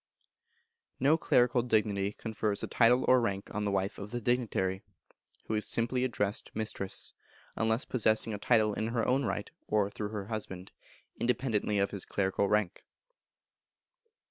No clerical dignity confers a title or rank on the wife of the dignitary, who is simply addressed Mistress, unless possessing a title in her own right, or through her husband, independently of his clerical rank.